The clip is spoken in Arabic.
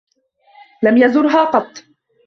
لم يزرها قطّ.